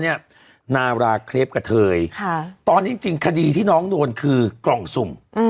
เพราะเนี่ยนาราเคลพกะเถยตอนนี้จริงคดีที่น้องโดนคือกล่องสุ่ม